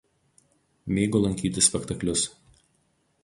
Mėgo lankyti spektaklius.